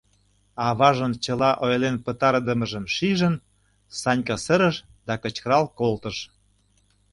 Аважын чыла ойлен пытарыдымыжым шижын, Санька сырыш да кычкырал колтыш: